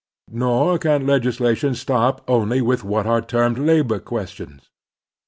Nor can legislation stop only with what are termed labor questions.